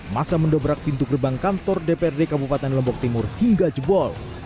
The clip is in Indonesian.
masa mendobrak pintu gerbang kantor dprd kabupaten lombok timur hingga jebol